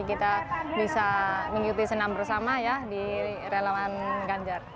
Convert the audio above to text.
kita bisa mengikuti senam bersama ya di relawan ganjar